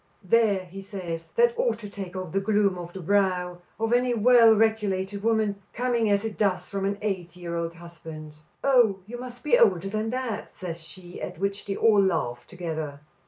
"There," says he, "that ought to take the gloom off the brow of any well regulated woman, coming as it does from an eight year old husband." "Oh, you must be older than that," says she, at which they all laugh together.